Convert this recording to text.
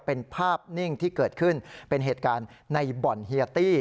เป็นภาพนิ่งที่เกิดขึ้นเป็นเหตุการณ์ในบ่อนเฮียตี้